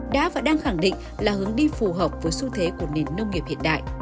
đã và đang khẳng định là hướng đi phù hợp với xu thế của nền nông nghiệp hiện đại